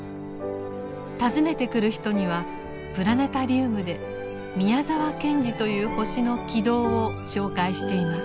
訪ねてくる人にはプラネタリウムで宮沢賢治という星の軌道を紹介しています。